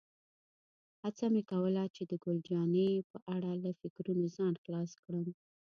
هڅه مې کوله چې د ګل جانې په اړه له فکرونو ځان خلاص کړم.